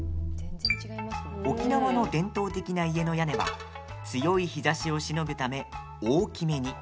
沖縄の伝統的な家の屋根は強い日ざしをしのぐため大きめに。